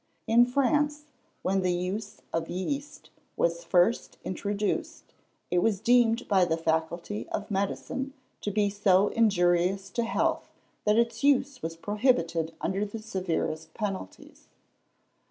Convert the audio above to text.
In France, when the use of yeast was first introduced, it was deemed by the faculty of medicine to be so injurious to health that its use was prohibited under the severest penalties.